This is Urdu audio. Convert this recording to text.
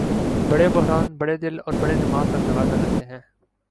بڑے بحران بڑے دل اور بڑے دماغ کا تقاضا کرتے ہیں۔